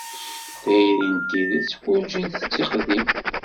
Tayri n tidet werǧin tettiqdim.